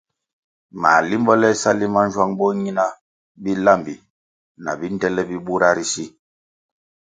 Mā limbo le sa limanzwang bo nyina bilambi na bindele bi bura ri si!